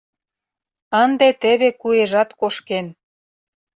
Ынде теве куэжат кошкен.